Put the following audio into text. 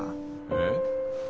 えっ？